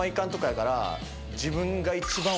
自分が。